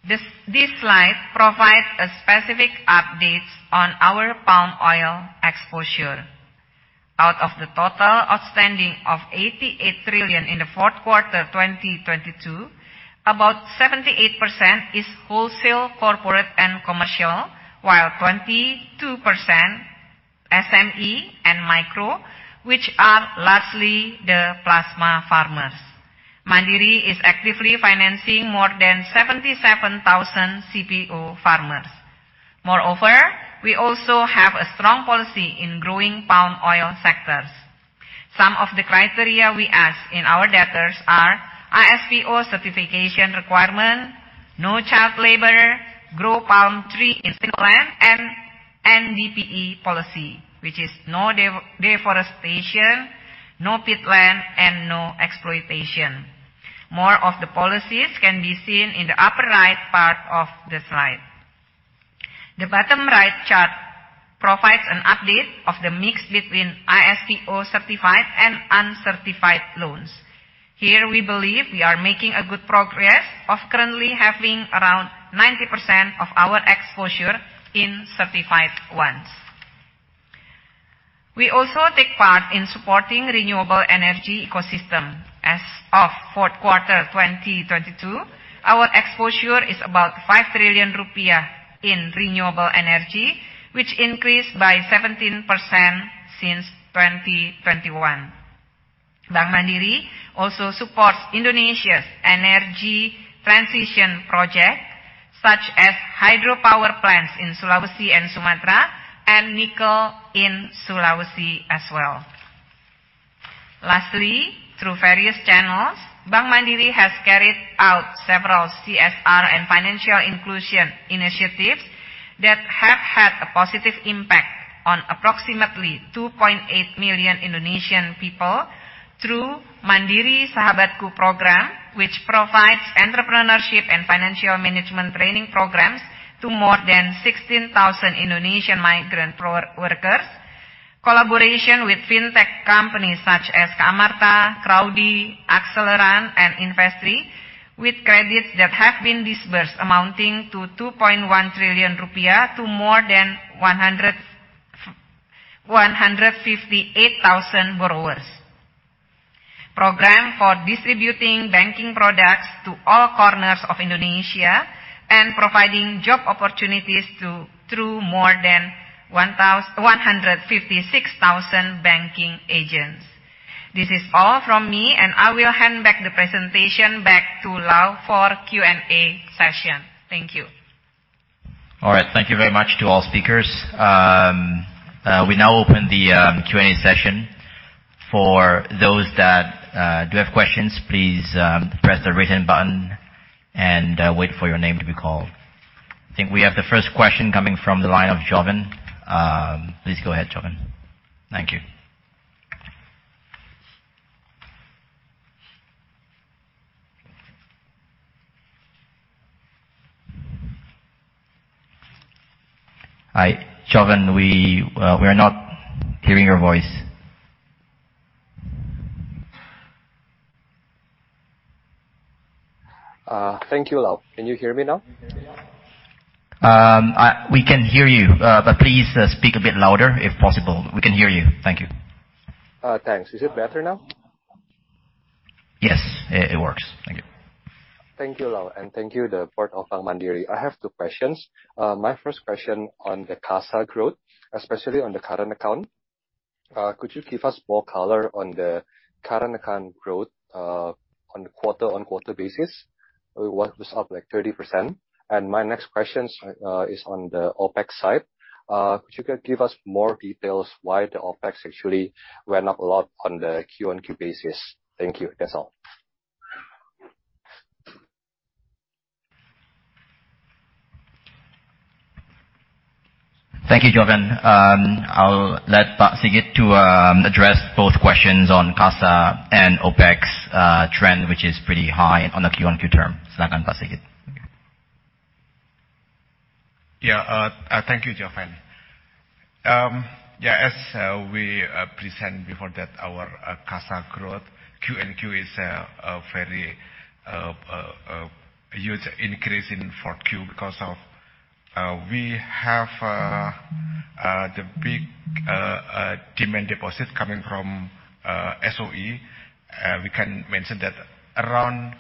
This slide provides a specific updates on our palm oil exposure. Out of the total outstanding of 88 trillion in the fourth quarter 2022, about 78% is wholesale, corporate, and commercial, while 22% SME and micro, which are largely the plasma farmers. Mandiri is actively financing more than 77,000 CPO farmers. Moreover, we also have a strong policy in growing palm oil sectors. Some of the criteria we ask in our debtors are ISPO certification requirement, no child labor, grow palm tree in single land, and NDPE policy, which is no deforestation, no peatland, and no exploitation. More of the policies can be seen in the upper right part of the slide. The bottom right chart provides an update of the mix between ISPO-certified and uncertified loans. Here, we believe we are making a good progress of currently having around 90% of our exposure in certified ones. We also take part in supporting renewable energy ecosystem. As of fourth quarter 2022, our exposure is about 5 trillion rupiah in renewable energy, which increased by 17% since 2021. Bank Mandiri also supports Indonesia's energy transition project, such as hydropower plants in Sulawesi and Sumatra, and nickel in Sulawesi as well. Through various channels, Bank Mandiri has carried out several CSR and financial inclusion initiatives that have had a positive impact on approximately 2.8 million Indonesian people through Mandiri Sahabatku program, which provides entrepreneurship and financial management training programs to more than 16,000 Indonesian migrant workers. Collaboration with fintech companies such as Amartha, Crowde, Akseleran, and Investree, with credits that have been disbursed amounting to 2.1 trillion rupiah to more than 158,000 borrowers. Program for distributing banking products to all corners of Indonesia and providing job opportunities through more than 156,000 banking agents. This is all from me, and I will hand back the presentation back to Lau for Q&A session. Thank you. All right. Thank you very much to all speakers. We now open the Q&A session. For those that do have questions, please press the raise hand button and wait for your name to be called. I think we have the first question coming from the line of Jovent. Please go ahead, Jovent. Thank you. Hi, Jovent. We are not hearing your voice. Thank you, Lau. Can you hear me now? We can hear you, but please, speak a bit louder if possible. We can hear you. Thank you. thanks. Is it better now? Yes, it works. Thank you. Thank you, Lau, and thank you the board of Bank Mandiri. I have two questions. My first question on the CASA growth, especially on the current account. Could you give us more color on the current account growth on a quarter-on-quarter basis? It was up like 30%. My next question is on the OpEx side. Could you give us more details why the OpEx actually went up a lot on the Q-on-Q basis? Thank you. That's all. Thank you, Jovent. I'll let Sigit to address both questions on CASA and OpEx trend, which is pretty high on the Q-on-Q term. Yeah. Thank you, Jovent. Yeah, as we present before that our CASA growth, Q-and-Q is a very huge increase in 4Q because we have the big demand deposits coming from SOE. We can mention that around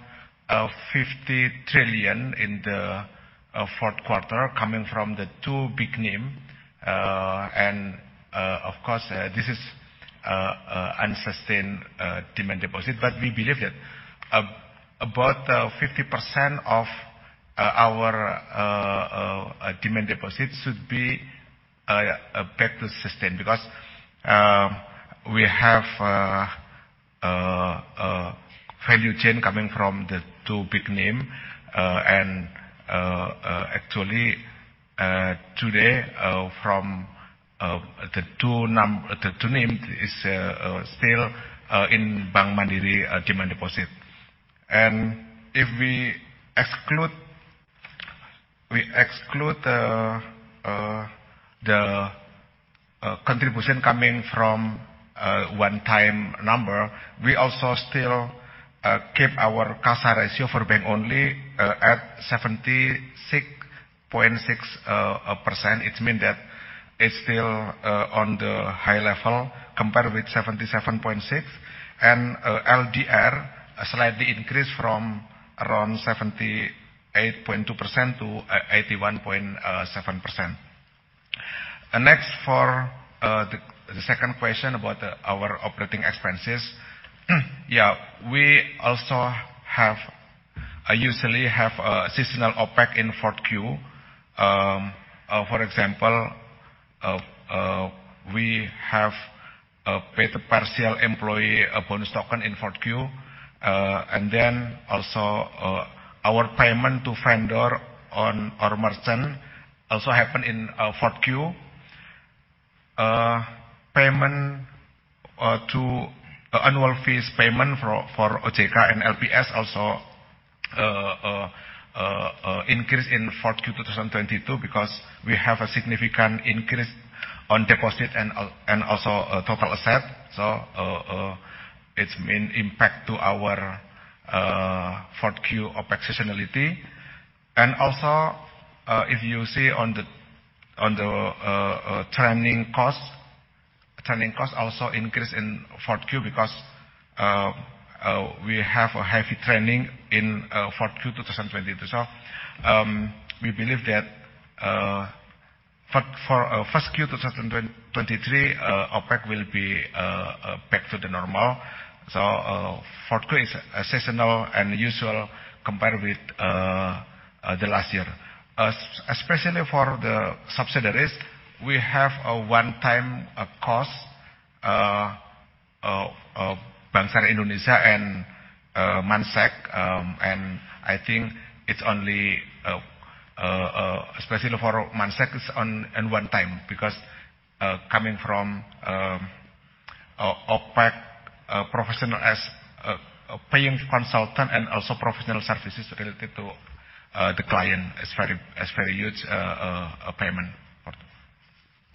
50 trillion in the fourth quarter coming from the two big name. Of course, this is unsustained demand deposit, but we believe that about 50% of our demand deposits should be back to sustain because we have value chain coming from the two big name. Actually, today, from the two name is still in Bank Mandiri demand deposit. If we exclude the contribution coming from one-time number, we also still keep our CASA ratio for bank only at 76.6%. It's mean that it's still on the high level compared with 77.6%. LDR slightly increased from around 78.2% to 81.7%. Next, for the second question about our operating expenses. I usually have seasonal OpEx in 4Q. For example, we have paid partial employee bonus token in 4Q. Also, our payment to vendor on our merchant also happen in 4Q. Payment to... Annual fees payment for OJK and LPS also increase in 4Q 2022 because we have a significant increase on deposit and also total asset. It's mean impact to our 4Q OpEx seasonality. If you see on the training costs, training costs also increase in 4Q because we have a heavy training in 4Q 2022. We believe that for first Q 2023 OpEx will be back to the normal. 4Q is seasonal and usual compared with the last year. Especially for the subsidiaries, we have a one-time cost of Bank Syariah Indonesia and Mansak. I think it's only, especially for Mandiri Sekuritas is on at one time because, coming from OpEx, professional as paying consultant, and also professional services related to the client is very huge payment.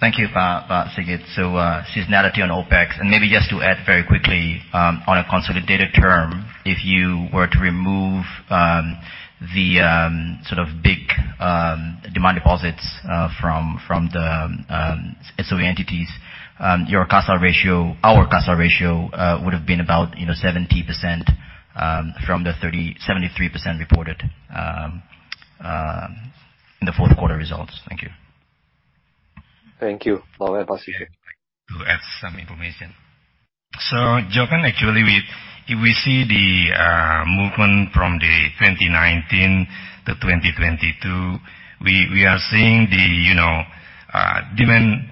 Thank you, Pak Sigit. Seasonality on OpEx. Maybe just to add very quickly, on a consolidated term, if you were to remove the sort of big demand deposits from the SOE entities, your CASA ratio, our CASA ratio, would have been about, you know, 70%, from the 73% reported in the fourth quarter results. Thank you. Thank you. Now, Pak Siddik. To add some information. Jovent, actually, If we see the movement from the 2019 to 2022, we are seeing the, you know, demand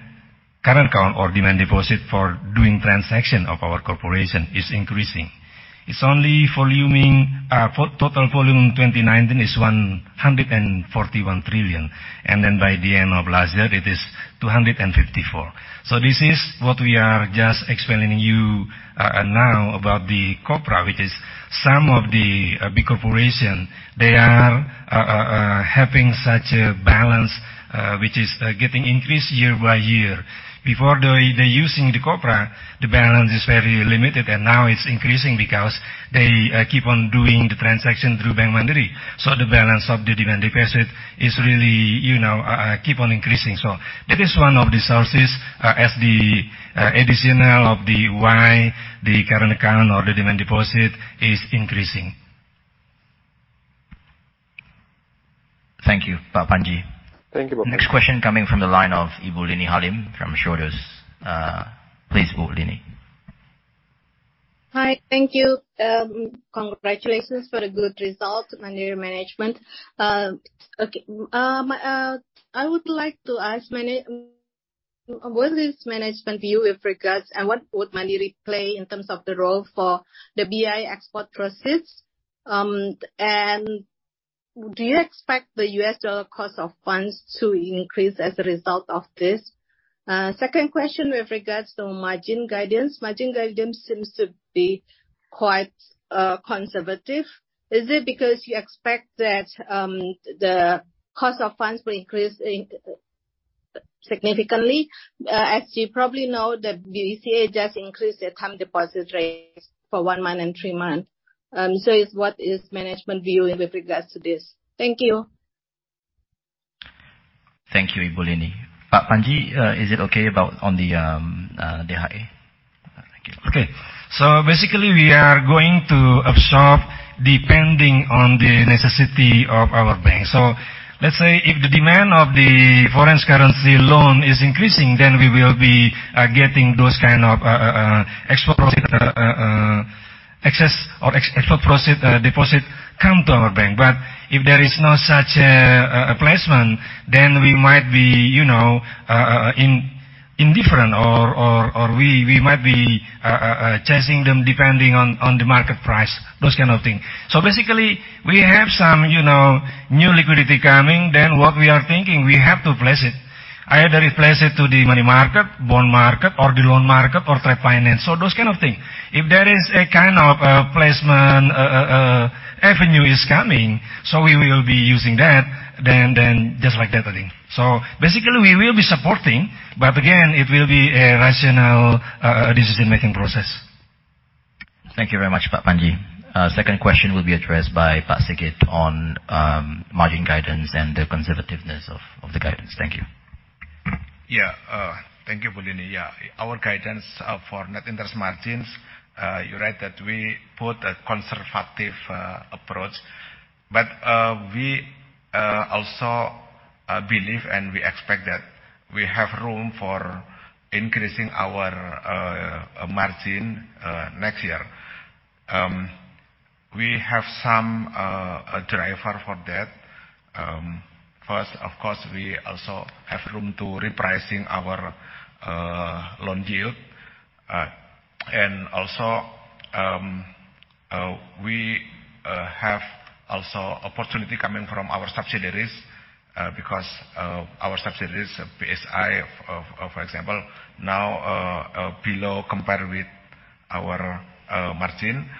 current account or demand deposit for doing transaction of our corporation is increasing. It's only voluming total volume in 2019 is 141 trillion. By the end of last year, it is 254 trillion. This is what we are just explaining to you now about the Kopra, which is some of the big corporation, they are having such a balance, which is getting increased year by year. Before they using the Kopra, the balance is very limited, and now it's increasing because they keep on doing the transaction through Bank Mandiri. The balance of the demand deposit is really, you know, keep on increasing. That is one of the sources, as the, additional of the why the current account or the demand deposit is increasing. Thank you, Pak Panji. Thank you. Next question coming from the line of Ibu Liny Halim from Schroders. Please, Ibu Liny. Hi. Thank you. Congratulations for the good result, Mandiri management. Okay. I would like to ask What is management view with regards and what would Mandiri play in terms of the role for the BI export proceeds? Do you expect the U.S. dollar cost of funds to increase as a result of this? Second question with regards to margin guidance. Margin guidance seems to be quite conservative. Is it because you expect that the cost of funds will increase significantly? As you probably know, the BCA just increased their term deposit rates for one month and three months. What is management view with regards to this? Thank you. Thank you, Ibu Liny. Pak Panji, is it okay about on the DHE? Thank you. Okay. Basically, we are going to absorb depending on the necessity of our bank. Let's say if the demand of the foreign currency loan is increasing, then we will be getting those kind of export proceed deposit come to our bank. If there is no such placement, then we might be, you know, indifferent or we might be chasing them depending on the market price, those kind of thing. Basically, we have some, you know, new liquidity coming, then what we are thinking, we have to place it. Either we place it to the money market, bond market or the loan market or trade finance. Those kind of thing. If there is a kind of, placement, avenue is coming, so we will be using that, then just like that, I think. Basically, we will be supporting, but again, it will be a rational, decision-making process. Thank you very much, Pak Panji. Second question will be addressed by Pak Sigit on margin guidance and the conservativeness of the guidance. Thank you. Thank you, Ibu Liny. Our guidance for net interest margins, you're right that we put a conservative approach. We also believe and we expect that we have room for increasing our margin next year. We have some driver for that. First, of course, we also have room to repricing our loan yield. Also we have also opportunity coming from our subsidiaries, because our subsidiaries, BSI, for example, now below compared with our margin.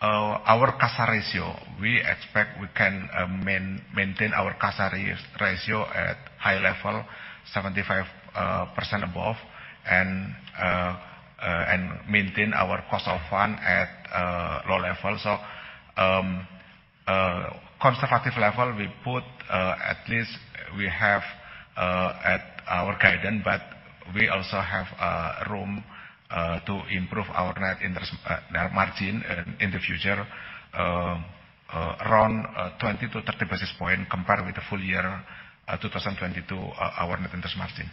Our CASA ratio, we expect we can maintain our CASA ratio at high level, 75% above, and maintain our cost of fund at low level. Conservative level, we put at least we have At our guidance, but we also have room to improve our net interest net margin in the future, around 20 to 30 basis points compared with the full year 2022, our net interest margin.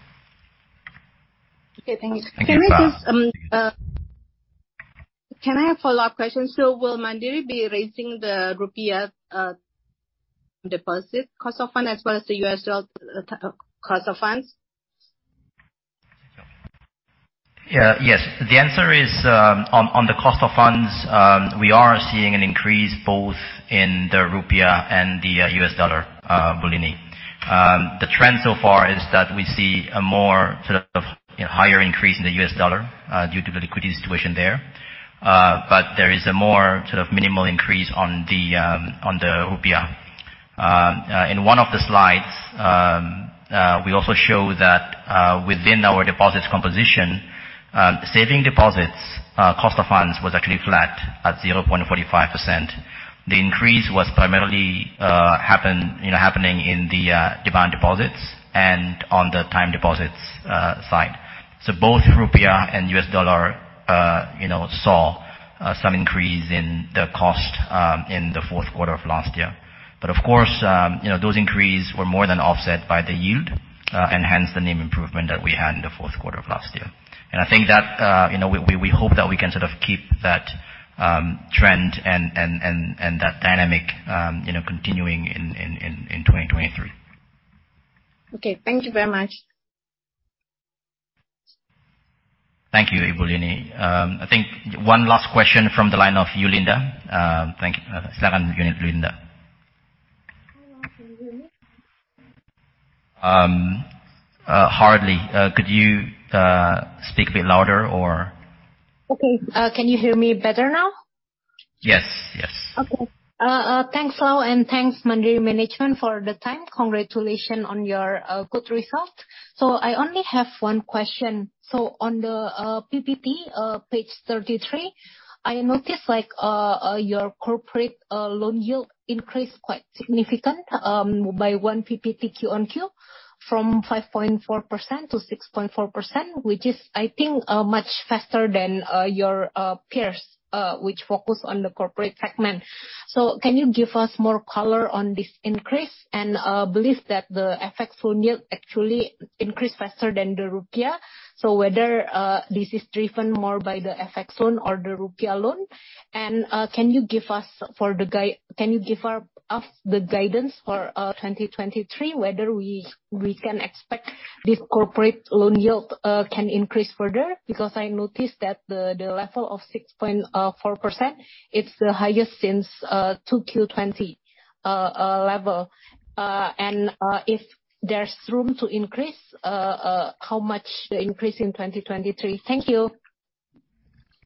Okay, thank you. Thank you, Sa. Can I have a follow-up question? Will Mandiri be raising the Rupiah deposit cost of fund as well as the U.S. dollar cost of funds? Yeah. Yes. The answer is, on the cost of funds, we are seeing an increase both in the Rupiah and the U.S. dollar, Ibu Liny. The trend so far is that we see a more sort of, you know, higher increase in the U.S. dollar, due to the liquidity situation there. There is a more sort of minimal increase on the Rupiah. In 1 of the slides, we also show that within our deposits composition, saving deposits, cost of funds was actually flat at 0.45%. The increase was primarily, you know, happening in the demand deposits and on the time deposits side. Both Rupiah and U.S. dollar, you know, saw some increase in the cost in the fourth quarter of last year. Of course, you know, those increase were more than offset by the yield and hence the NIM improvement that we had in the fourth quarter of last year. I think that, you know, we hope that we can sort of keep that trend and that dynamic, you know, continuing in 2023. Okay, thank you very much. Thank you, Ibu Liny. I think one last question from the line of Yulinda. Can you hear me? Hardly. Could you speak a bit louder, or... Okay. Can you hear me better now? Yes. Yes. Thanks, Mandiri management for the time. Congratulations on your good result. So I only have one question. So on the PPP page 33, I noticed like your corporate loan yield increased quite significant by one pp Q-on Q from 5.4% to 6.4%, which is I think much faster than your peers which focus on the corporate segment. So can you give us more color on this increase? I believe that the FX loan yield actually increased faster than the Rupiah, so whether this is driven more by the FX loan or the Rupiah loan. And can you give us for the guidance, can you give us the guidance for 2023, whether we can expect this corporate loan yield can increase further? I noticed that the level of 6.4%, it's the highest since 2Q 2020 level. If there's room to increase, how much the increase in 2023? Thank you.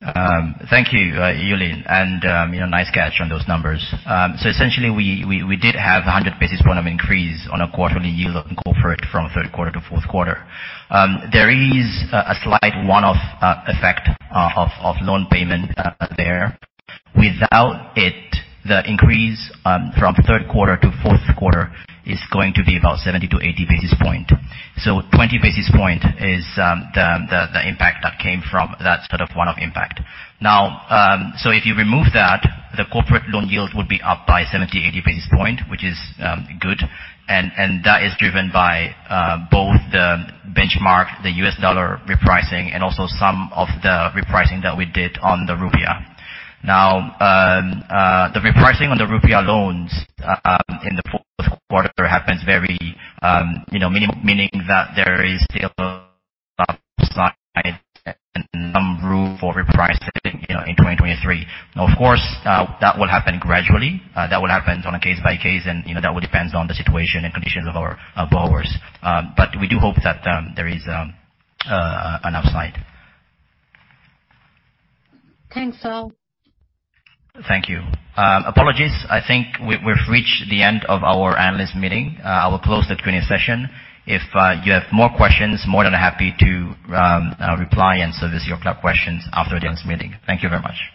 Thank you, Yulinda, you know, nice catch on those numbers. Essentially, we did have a 100 basis point of increase on a quarterly yield on corporate from third quarter to fourth quarter. There is a slight one-off effect of loan payment there. Without it, the increase from third quarter to fourth quarter is going to be about 70-80 basis point. 20 basis point is the impact that came from that sort of one-off impact. If you remove that, the corporate loan yield would be up by 70-80 basis point, which is good, and that is driven by both the benchmark, the U.S. dollar repricing, and also some of the repricing that we did on the Rupiah. The repricing on the Rupiah loans in the fourth quarter happens very, you know, meaning that there is still upside and some room for repricing, you know, in 2023. Of course, that will happen gradually. That will happen on a case by case and, you know, that will depends on the situation and conditions of our borrowers. We do hope that there is an upside. Thanks, Lau. Thank you. Apologies. I think we've reached the end of our analyst meeting. I will close the Q&A session. If you have more questions, more than happy to reply and service your questions after today's meeting. Thank you very much.